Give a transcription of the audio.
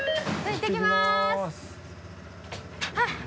いってきます。